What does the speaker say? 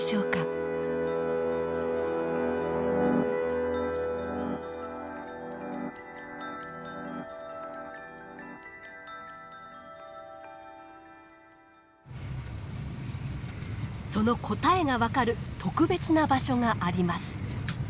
その答えが分かる特別な場所があります。